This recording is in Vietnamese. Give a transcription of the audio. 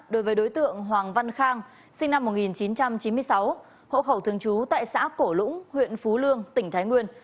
đối với đối tượng hoàng văn khang sinh năm một nghìn chín trăm chín mươi sáu hộ khẩu thường trú tại xã cổ lũng huyện phú lương tỉnh thái nguyên